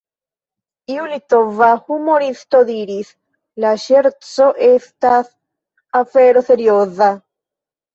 Iu litova humuristo diris: “La ŝerco estas afero serioza.